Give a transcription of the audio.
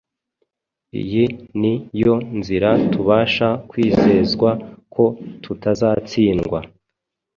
Iyi ni yo nzira tubasha kwizezwa ko tutazatsindwa.